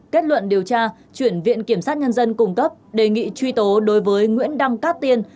kết luận điều tra chuyển viện kiểm sát nhân dân cung cấp đề nghị truy tố đối với nguyễn đăng cát tiên